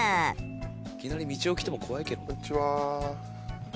いきなりみちお来ても怖いけど。